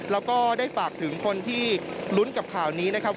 แล้วก็ได้ฝากถึงคนที่ลุ้นกับข่าวนี้นะครับ